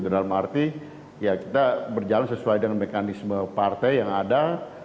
dalam arti ya kita berjalan sesuai dengan mekanisme partai yang ada